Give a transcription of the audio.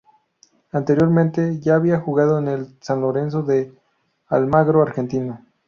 Anteriormente ya había jugado en el San Lorenzo de Almagro argentino.